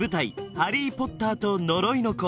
「ハリー・ポッターと呪いの子」